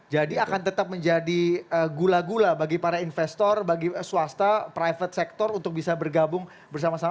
jadi akan tetap menjadi gula gula bagi para investor bagi swasta private sector untuk bisa bergabung bersama sama